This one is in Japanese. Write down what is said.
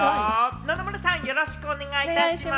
野々村さん、よろしくお願いいたします。